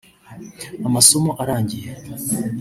Amasomo arangiye